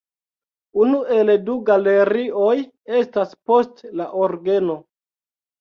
Unu el du galerioj estas post la orgeno.